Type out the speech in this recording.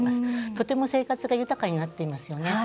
とても生活が豊かになっていますよね。